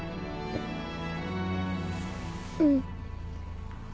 うん。